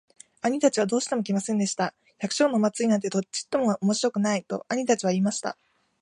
兄たちはどうしても来ませんでした。「百姓のお祭なんてちっとも面白くない。」と兄たちは言いました。